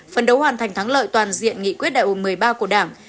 phần đấu hoàn thành thắng lợi toàn diện nghị quyết đại hội một mươi ba của đảng